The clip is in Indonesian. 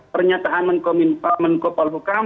pernyataan raymond koppelguckam